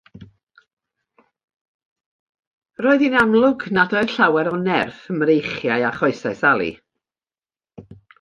Roedd hi'n amlwg nad oedd llawer o nerth ym mreichiau a choesau Sali.